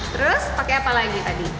terus pakai apa lagi tadi